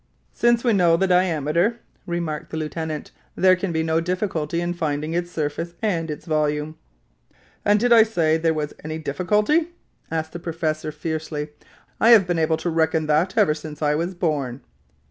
"Since we know the diameter," remarked the lieutenant, "there can be no difficulty in finding its surface and its volume." "And did I say there was any difficulty?" asked the professor, fiercely. "I have been able to reckon that ever since I was born."